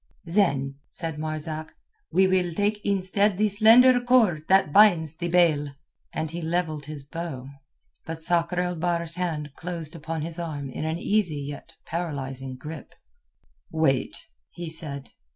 "Then," said Marzak, "we will take instead the slender cord that binds the bale." And he levelled his bow. But Sakr el Bahr's hand closed upon his arm in an easy yet paralyzing grip. "Wait," he said.